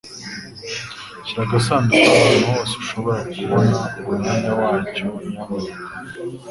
Shyira agasanduku ahantu hose ushobora kubona umwanya wacyo, nyamuneka.